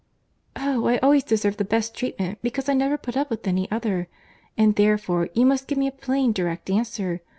"Oh! I always deserve the best treatment, because I never put up with any other; and, therefore, you must give me a plain, direct answer.